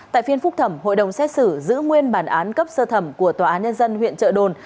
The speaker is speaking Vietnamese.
tại phiên phúc thẩm hội đồng xét xử giữ nguyên bản án cấp sơ thẩm của tòa án nhân dân huyện trợ đồn